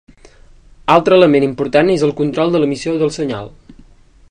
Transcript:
Altre element important és el control de l'emissió del senyal.